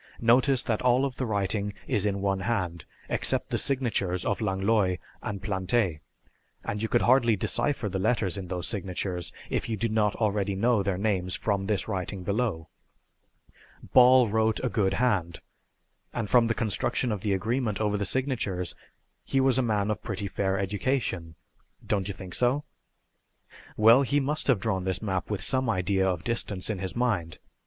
Notice that all of the writing is in one hand, except the signatures of Langlois and Plante, and you could hardly decipher the letters in those signatures if you did not already know their names from this writing below. Ball wrote a good hand, and from the construction of the agreement over the signatures he was a man of pretty fair education. Don't you think so? Well, he must have drawn this map with some idea of distance in his mind.